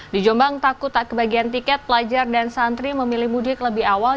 di jombang takut tak kebagian tiket pelajar dan santri memilih mudik lebih awal